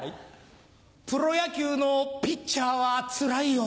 プロ野球のピッチャーはつらいよ。